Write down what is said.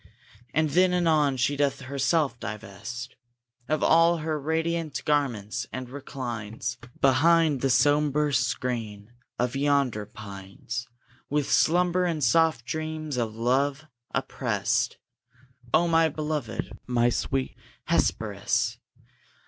And then anon she doth herself divest Of all her radiant garments, and reclines Behind the sombre screen of yonder pines, With slumber and soft dreams of love oppressed. O my beloved, my sweet Hesperus!